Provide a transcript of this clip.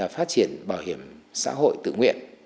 phát triển bảo hiểm xã hội tự nguyện